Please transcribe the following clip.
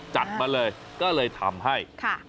จัดมาเลยก็เลยทำให้